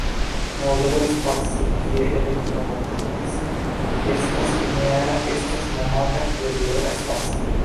Modelo de spaco kie elektromagnetismo estas lineara estas nomata kiel libera spaco.